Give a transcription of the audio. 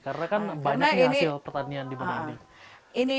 karena kan banyak hasil pertanian di modo inding